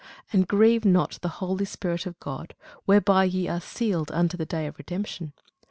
And grieve not the holy Spirit of God, whereby ye are sealed unto the day of redemption.